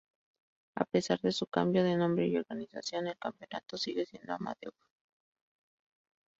A pesar de su cambio de nombre y organización, el campeonato sigue siendo amateur.